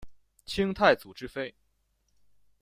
清太祖之妃。